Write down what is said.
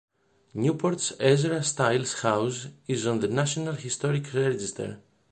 Newport's Ezra Stiles House is on the National Historic Register.